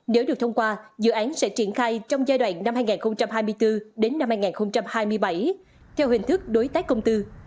nếu được thông qua dự án sẽ triển khai trong giai đoạn năm hai nghìn hai mươi bốn đến năm hai nghìn hai mươi bảy theo hình thức đối tác công tư